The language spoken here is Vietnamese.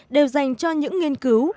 đều dành cho những nghiên cứu